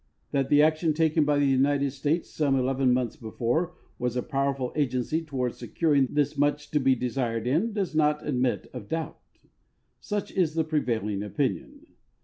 That the action taken by the United States some eleven months before was a powerful agency toward securing this much to be desired end does not admit of doubt. Such is the prevailing opinion.